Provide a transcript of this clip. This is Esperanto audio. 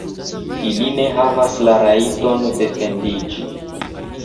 Ili ne havas la rajton defendiĝi.